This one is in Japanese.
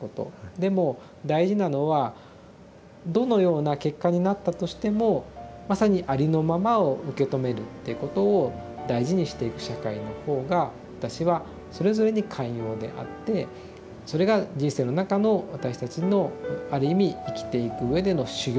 でも大事なのはどのような結果になったとしてもまさにありのままを受け止めるっていうことを大事にしていく社会の方が私はそれぞれに寛容であってそれが人生の中の私たちのある意味生きていくうえでの修行なんではないかなと思ってたりします。